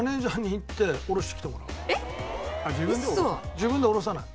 自分で下ろさない。